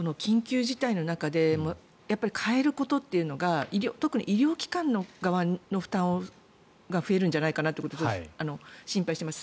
今、気の緊急時代の中で変えることというのが特に医療機関の負担が増えるんじゃないかと心配しています。